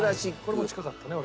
これも近かったね俺。